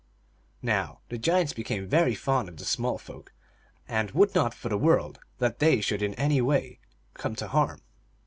Now the giants became very fond of the small folk, and would not for the world that they should in any way come to harm.